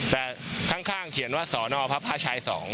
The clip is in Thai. แต่ข้างเขียนว่าสนพช๒